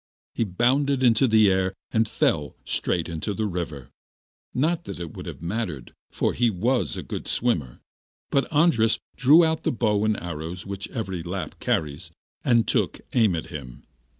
He bounded into the air and fell straight into the river. Not that that would have mattered, for he was a good swimmer; but Andras drew out the bow and arrows which every Lapp carries, and took aim at him.